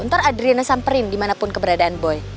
ntar adriana samperin dimanapun keberadaan boy